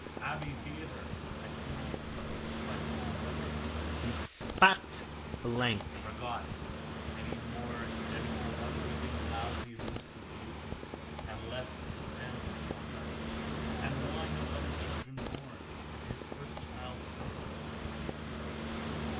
Abbey Theatre! I smell the pubic sweat of monks. He spat blank. Forgot: any more than he forgot the whipping lousy Lucy gave him. And left the femme de trente ans. And why no other children born? And his first child a girl?